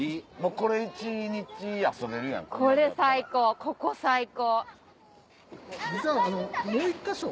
これ最高ここ最高。